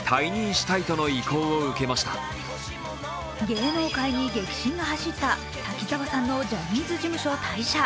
芸能界に激震が走った滝沢さんのジャニーズ事務所退社。